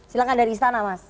silahkan dari istana mas